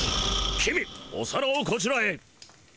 公お皿をこちらへ。